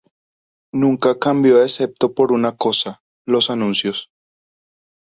Nunca cambió excepto por una cosa: los anuncios.